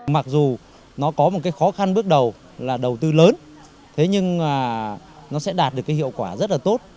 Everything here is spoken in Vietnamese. mặc dù nó có một cái khó khăn bước đầu là đầu tư lớn thế nhưng nó sẽ đạt được cái hiệu quả rất là tốt